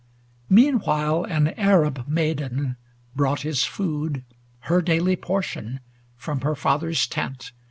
Meanwhile an Arab maiden brought his food, 129 Her daily portion, from her father's tent.